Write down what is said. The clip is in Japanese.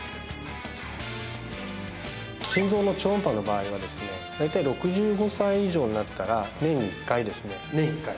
心臓の超音波の場合はですね大体６５歳以上になったら年に１回ですね年１回？